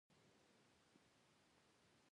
• دا قوم د خپلو مشرانو لار تعقیبوي.